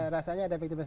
rasanya ada efektivitas